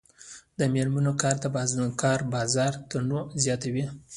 د میرمنو کار د کار بازار تنوع زیاتوي.